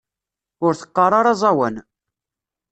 Ur teɣɣar ara aẓawan.